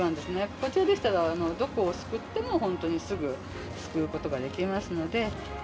こちらでしたら、どこをすくっても、本当にすぐすくうことができますので。